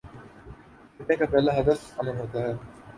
فتنے کا پہلا ہدف امن ہو تا ہے۔